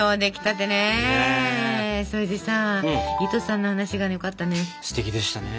それでさ糸さんの話がよかったね。